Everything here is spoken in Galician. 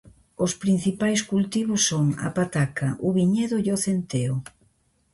Os principais cultivos son a pataca, o viñedo e o centeo.